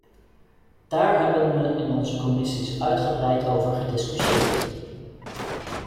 Daar hebben we in onze commissies uitgebreid over gediscussieerd.